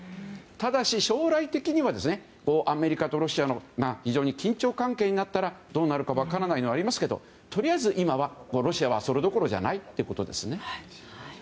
ただし、将来的にアメリカとロシアが非常に緊張関係になったらどうなるか分からないのはありますけどとりあえず今はロシアはそれどころじゃないということですね。